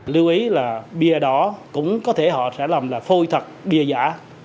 lưu ý là bia đỏ cũng có thể họ sẽ làm là phôi thật bia giả